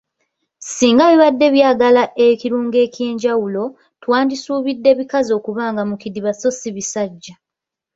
Singa bibadde byagala ekirungo ekyenjawulo, twandisuubidde bikazi okubanga mu bidiba so ssi bisajja.